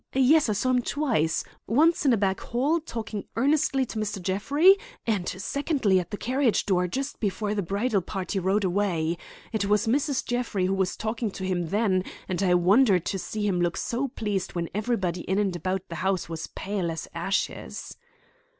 Yes, I saw him twice; once in a back hall talking earnestly to Mr. Jeffrey, and secondly at the carriage door just before the bridal party rode away. It was Mrs. Jeffrey who was talking to him then, and I wondered to see him look so pleased when everybody in and about the house was pale as ashes."